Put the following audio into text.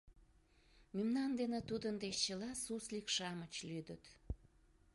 Мемнан дене тудын деч чыла суслик-шамыч лӱдыт.